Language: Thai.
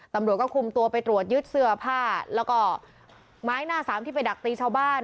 ตำรวจก็คุมตัวไปตรวจยึดเสื้อผ้าแล้วก็ไม้หน้าสามที่ไปดักตีชาวบ้าน